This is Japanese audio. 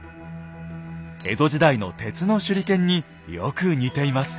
江戸時代の鉄の手裏剣によく似ています。